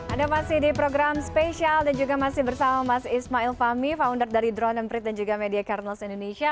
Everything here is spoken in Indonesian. anda masih di program spesial dan juga masih bersama mas ismail fahmi founder dari drone emprit dan juga media carnels indonesia